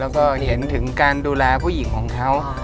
แล้วก็เห็นถึงการดูแลผู้หญิงของเขา